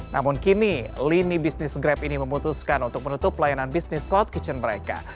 namun kini lini bisnis grab ini memutuskan untuk menutup pelayanan bisnis cloud kitchen mereka